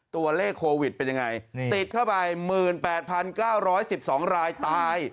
ตัวเลขโควิดเป็นยังไงติดเข้าไป๑๘๙๑๒รายตาย